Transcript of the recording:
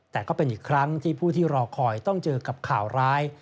แต่ก็เป็นอีกครั้งที่ผู้ที่รอคอยต้องเจอกับข่าวร้าย